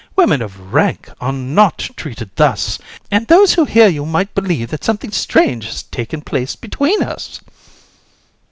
Women of rank are not treated thus, and those who hear you might believe that something strange had taken place between us.